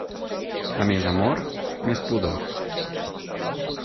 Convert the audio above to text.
A més amor, més pudor.